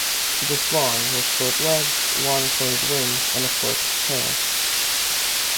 It is long, with short legs, long pointed wings and a forked tail.